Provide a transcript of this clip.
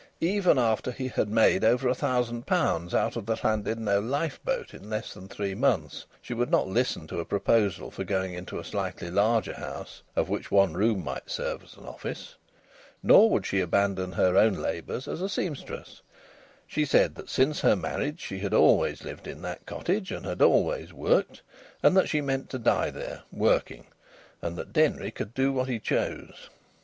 Even after he had made over a thousand pounds out of the Llandudno lifeboat in less than three months, she would not listen to a proposal for going into a slightly larger house, of which one room might serve as an office. Nor would she abandon her own labours as a sempstress. She said that since her marriage she had always lived in that cottage and had always worked, and that she meant to die there, working: and that Denry could do what he chose.